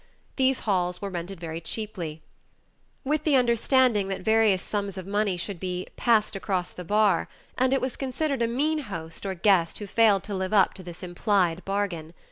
These halls were rented very cheaply with the understanding that various sums of money should be "passed across the bar," and it was considered a mean host or guest who failed to live up to this implied bargain.